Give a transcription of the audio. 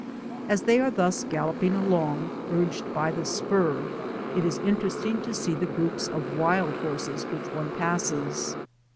As they are thus galloping along, urged by the spur, it is interesting to see the groups of wild horses which one passes.